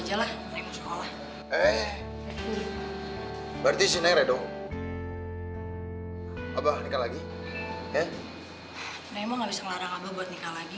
kalo misalkan neng kalau di bandung gara gara berikan lagi